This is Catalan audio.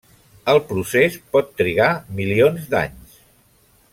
El procés pot trigar milions d'anys.